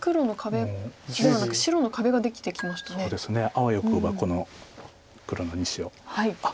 あわよくばこの黒の２子を。